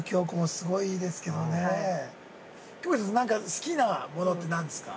好きなものって何ですか。